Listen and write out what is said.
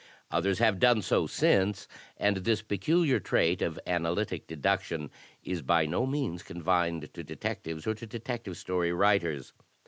Others have done so since; and this peculiar trait of analytic deduction is by no means confined to detectives or to Detective Story writers.